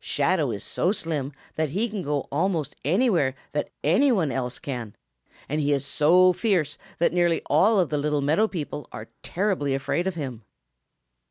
Shadow is so slim that he can go almost anywhere that any one else can, and he is so fierce that nearly all of the Little Meadow people are terribly afraid of him.